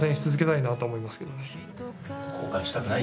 後悔したくない？